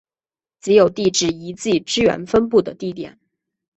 即有地质遗迹资源分布的地点。